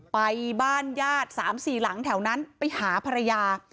ไปบ้านญาติ๓๔หลังแถวนั้นไปหาภรรยา